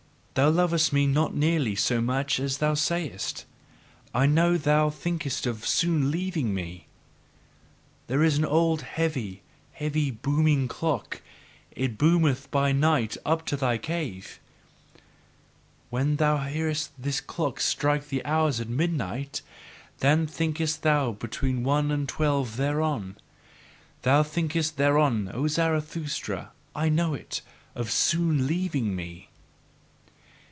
Thou lovest me not nearly so much as thou sayest; I know thou thinkest of soon leaving me. There is an old heavy, heavy, booming clock: it boometh by night up to thy cave: When thou hearest this clock strike the hours at midnight, then thinkest thou between one and twelve thereon Thou thinkest thereon, O Zarathustra, I know it of soon leaving me!"